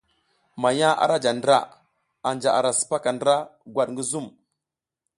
Manya ara ja ndra, anja ara sipaka ndra gwat ngi zum.